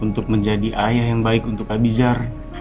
untuk menjadi ayah yang baik untuk abizar